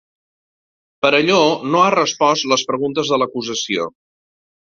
Perelló no ha respost les preguntes de l'acusació.